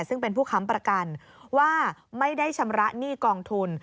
ซึ่งเป็นผู้ค้ำประกันว่าไม่ได้ชำระหนี้กองทุน